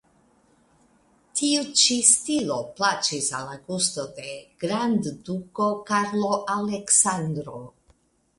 Tiu ĉi stilo plaĉis al la gusto de grandduko Karlo Aleksandro.